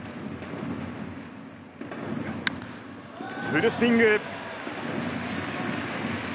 フルスイング。